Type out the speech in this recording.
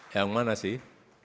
yang mana sih